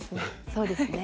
そうですね。